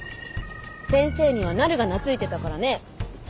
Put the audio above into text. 先生にはなるが懐いてたからね。